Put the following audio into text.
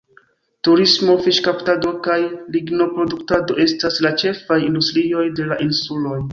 Turismo, fiŝkaptado kaj lignoproduktado estas la ĉefaj industrioj de la insuloj.